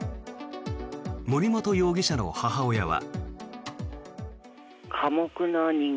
森本容疑者の母親は。